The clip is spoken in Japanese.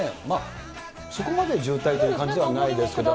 そこまで渋滞という感じではないですけれども。